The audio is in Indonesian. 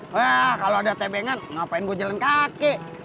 wah kalau ada tebengan ngapain gue jalan kaki